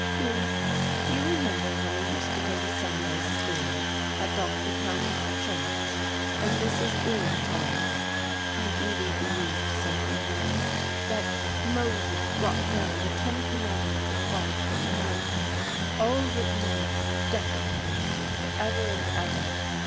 "Hugh, do you remember when we used to go to Sunday school at Dr. Pound's church, and Mrs. Ewan taught us? I really believed something then that Moses brought down the ten commandments of God from the mountain, all written out definitely for ever and ever.